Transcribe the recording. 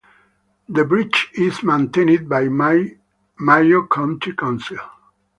The bridge is maintained by the Mayo County Council.